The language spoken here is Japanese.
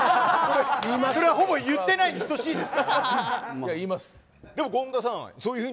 それはほぼ言っていないに等しいです。